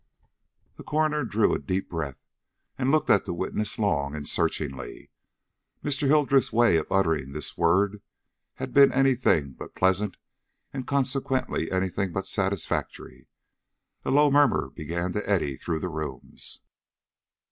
The coroner drew a deep breath, and looked at the witness long and searchingly. Mr. Hildreth's way of uttering this word had been any thing but pleasant, and consequently any thing but satisfactory. A low murmur began to eddy through the rooms.